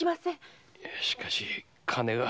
しかし金が。